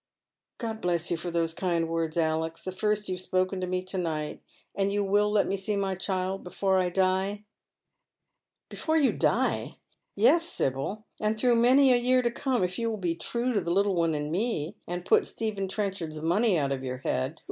*' God bless you for those kind words, Alex, the first you havo Bpoken to me to night ; and you will let me see my cliild — before I die." " Before you die! Yes, Sibyl, and through many a year to come, if you will be true to the little one and me, and put Stephen Trenchard's money out of your head.